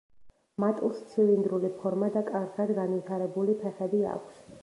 მატლს ცილინდრული ფორმა და კარგად განვითარებული ფეხები აქვს.